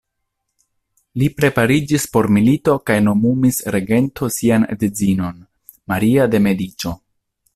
Li prepariĝis por milito kaj nomumis regento sian edzinon, Maria de Mediĉo.